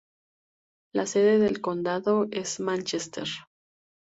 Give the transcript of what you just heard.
La sede del condado es Manchester.